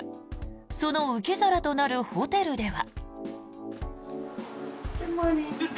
その受け皿となるホテルでは。